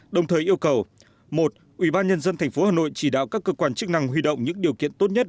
đồng thời yêu cầu một ủy ban nhân dân tp hà nội chỉ đạo các cơ quan chức năng huy động những điều kiện tốt nhất